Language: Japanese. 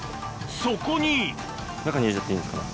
そこに中に入れちゃっていいんですか？